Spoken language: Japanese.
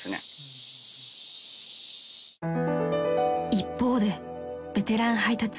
［一方でベテラン配達員